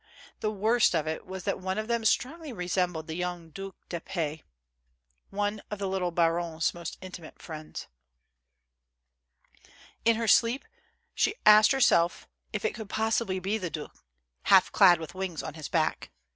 The worst of it was that one of them strongly resembled the young Duo de P , one of the little baronne's most intimate friends. In her sleep, she asked herself if it could possibly be the due, half clad, with wings on his back